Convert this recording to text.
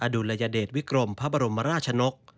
ดุลยเดชวิกรมพระบรมราชนก